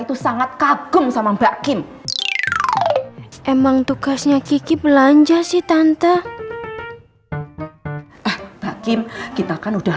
itu sangat kagum sama mbak kim emang tugasnya kiki belanja si tante mbak kim kita kan udah